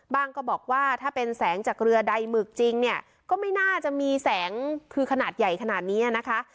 ก็บอกว่าถ้าเป็นแสงจากเรือใดหมึกจริงเนี่ยก็ไม่น่าจะมีแสงคือขนาดใหญ่ขนาดนี้นะคะ